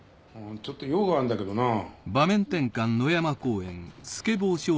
ちょっと用があるんだけどなあ。